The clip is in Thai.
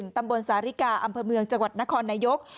ตำบลสาริกาอำเภอเมืองจังหวัดนครนายก